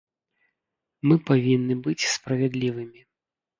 Мы павінны быць справядлівымі.